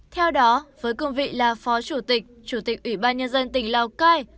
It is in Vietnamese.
theo đó với cương vị là phó chủ tịch chủ tịch ủy ban nhân dân tỉnh lào cai